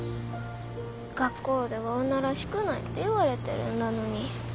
学校では女らしくないって言われてるんだのに。